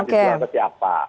di luar siapa